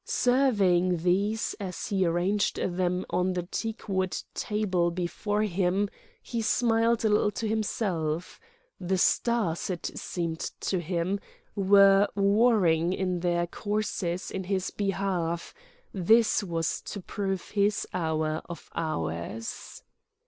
Surveying these, as he arranged them on the teakwood table before him, he smiled a little to himself: the stars, it seemed to him, were warring in their courses in his behalf; this was to prove his hour of hours.